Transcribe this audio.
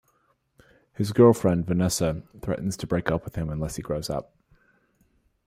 His girlfriend, Vanessa, threatens to break up with him unless he grows up.